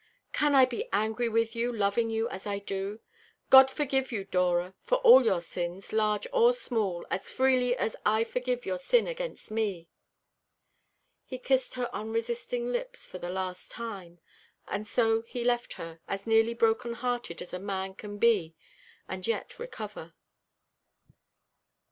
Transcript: "Can I be angry with you, loving you as I do? God forgive you, Dora, for all your sins, large or small, as freely as I forgive your sin against me." He kissed her unresisting lips for the last time, and so left her, as nearly broken hearted as a man can be and yet recover.